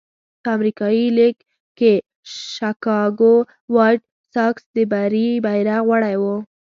په امریکایي لېګ کې شکاګو وایټ ساکس د بري بیرغ وړی وو.